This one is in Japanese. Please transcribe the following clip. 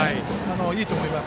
いいと思います。